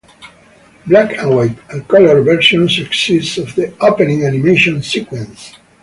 Black-and-white and color versions exist of the opening animation sequence.